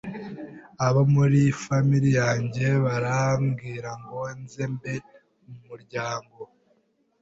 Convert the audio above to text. abo muri famille yanjye barambwira ngo nze mbe mu muryango